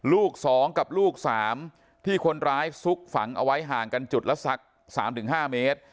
ลูก๒กับลูก๓ที่คนร้ายซุกฝังเอาไว้ห่างกันจุดละสัก๓๕เมตร